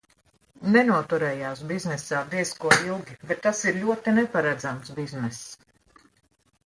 Nenoturējās biznesā diez ko ilgi, bet tas ir ļoti neparedzams bizness.